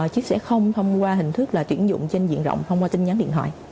chứ sẽ không thông qua hình thức là tuyển dụng trên diện rộng thông qua tin nhắn điện thoại